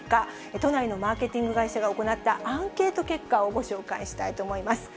都内のマーケティング会社が行ったアンケート結果をご紹介したいと思います。